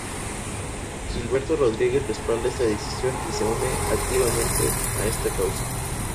Gilberto Rodríguez respalda esta decision y se une activamente a esta causa.